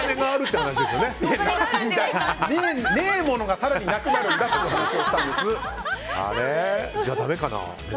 いや、ねえものが更になくなるんだってじゃあだめかな？